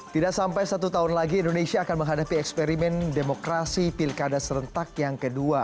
tidak sampai satu tahun lagi indonesia akan menghadapi eksperimen demokrasi pilkada serentak yang kedua